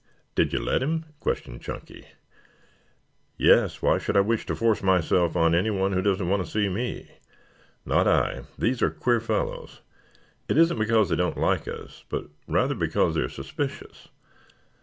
"Did you let him?" questioned Chunky. "Yes. Why should I wish to force myself on anyone who doesn't want to see me? Not I. They are queer fellows. It isn't because they don't like us, but rather because they are suspicious.